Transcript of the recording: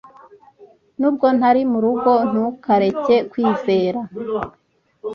nubwo ntari murugo ntukareke kwizera